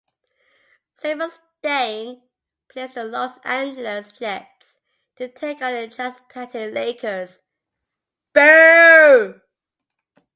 Saperstein placed the Los Angeles Jets to take on the transplanted Lakers.